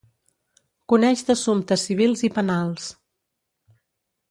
Coneix d'assumptes civils i penals.